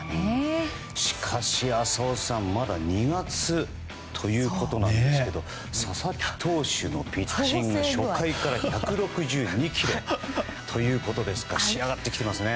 しかし、浅尾さんまだ２月ということですが佐々木投手のピッチング初回から１６２キロということですから仕上がってきていますね。